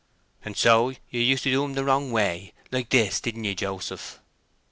"And so you used to do 'em the wrong way, like this, didn't ye, Joseph?"